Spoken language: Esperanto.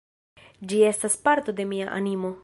Ĝi estas parto de mia animo.